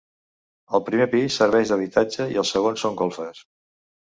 El primer pis serveix d'habitatge i el segon són golfes.